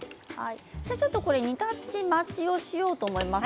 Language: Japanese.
煮立ち待ちをしようかと思います。